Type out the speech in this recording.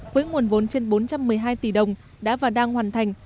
với nguồn vốn trên bốn trăm một mươi hai tỷ đồng đã và đang hoàn thành